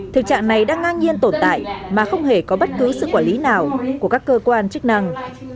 thực trạng này đang ngang nhiên tồn tại mà không hề có bất cứ sự quản lý nào của các cơ quan chức năng